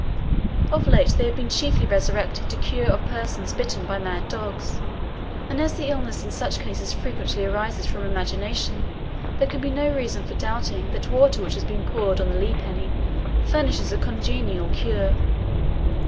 Of late, they have been chiefly restricted to the cure of persons bitten by mad dogs; and as the illness in such cases frequently arises from imagination, there can be no reason for doubting that water which has been poured on the Lee penny furnishes a congenial cure.